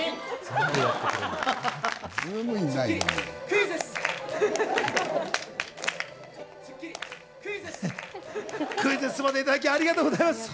クイズッスもいただき、ありがとうございます。